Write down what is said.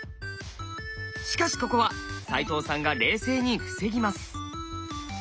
しかしここは齋藤さんが冷静に防ぎます。